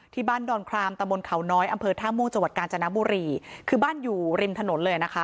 ที่บ้านดอนครามตะบนเขาน้อยอำเภอท่ามงจกาญจนบุรีคือบ้านอยู่ริมถนนเลยนะคะ